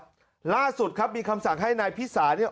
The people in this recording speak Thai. อยู่แล้วล่าสุดครับมีคำสั่งให้นายพิษาเนี่ย